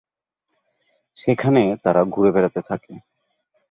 সেখানে তারা ঘুরে বেড়াতে থাকে।